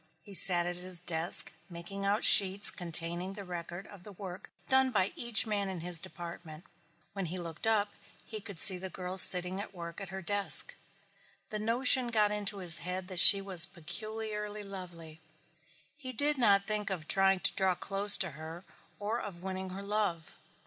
He sat at his desk making out sheets containing the record of the work done by each man in his department. When he looked up he could see the girl sitting at work at her desk. The notion got into his head that she was peculiarly lovely. He did not think of trying to draw close to her or of winning her love.